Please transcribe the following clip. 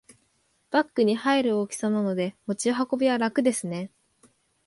バッグに入る大きさなので持ち運びは楽ですね